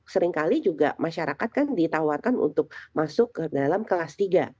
seringkali juga masyarakat kan ditawarkan untuk masuk ke dalam kelas tiga